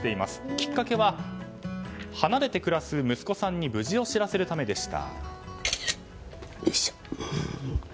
きっかけは離れて暮らす息子さんに無事を知らせるためでした。